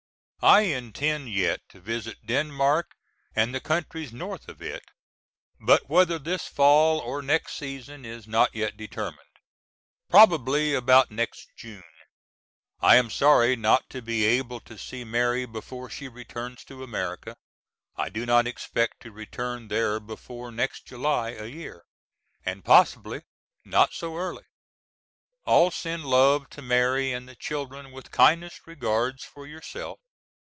I intend yet to visit Denmark, and the countries north of it, but whether this fall or next season is not yet determined. Probably about next June. I am sorry not to be able to see Mary before she returns to America. I do not expect to return there before next July a year, and possibly not so early. All send love to Mary and the children with kindest regards for yourself.